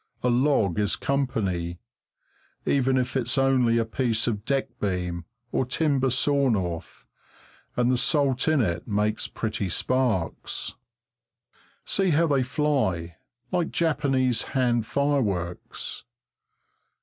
A log is company, even if it's only a piece of a deck beam or timber sawn off, and the salt in it makes pretty sparks. See how they fly, like Japanese hand fireworks!